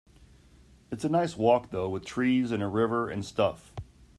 It's a nice walk though, with trees and a river and stuff.